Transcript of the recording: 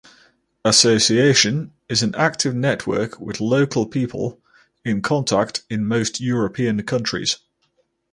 Association is an active network with local people in contact in most European countries.